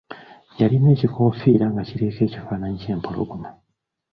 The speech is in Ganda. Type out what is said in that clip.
Yalina ekikoofiira nga kiriko ekifaananyi ky’empologoma.